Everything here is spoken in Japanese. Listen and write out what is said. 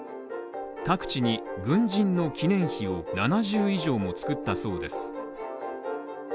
各地に軍人の記念碑を７０以上も作ったそうです